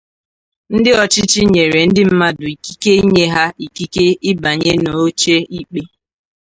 Ndi ochichi nyere ndi mmadu ikike inye ha ikike ibanye n'oche ikpe.